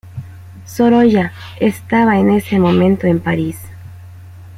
Sorolla estaba en ese momento en París.